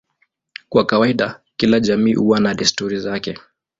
Kwa kawaida kila jamii huwa na desturi zake.